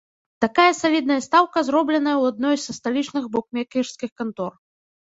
Такая салідная стаўка зробленая ў адной са сталічных букмекерскіх кантор.